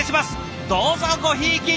どうぞごひいきに！